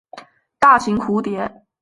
大型蝴蝶。